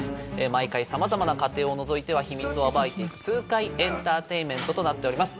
毎回様々な家庭をのぞいては秘密を暴いていく痛快エンターテインメントとなっております。